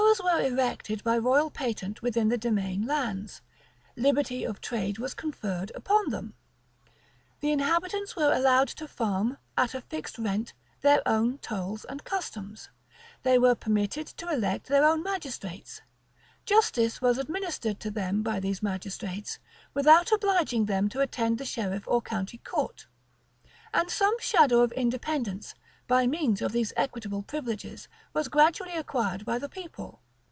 Boroughs were erected by royal patent within the demesne lands; liberty of trade was conferred upon them; the inhabitants were allowed to farm, at a fixed rent, their own tolls and customs,[*] they were permitted to elect their own magistrates; justice was administered to them by these magistrates, without obliging them to attend the sheriff or county court: and some shadow of independence, by means of these equitable privileges, was gradually acquired by the people.